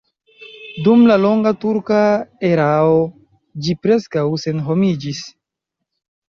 Dum la longa turka erao ĝi preskaŭ senhomiĝis.